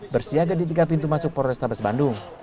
bersiaga di tiga pintu masuk polres tabes bandung